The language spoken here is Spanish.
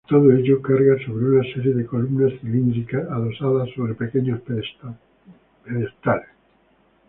Todo ello carga sobre una serie de columnas cilíndricas adosadas sobre pequeños pedestales.